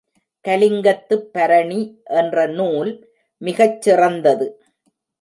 கலிங்கத்துப் பரணி என்ற நூல் மிகச் சிறந்தது.